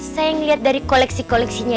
saya melihat dari koleksi koleksinya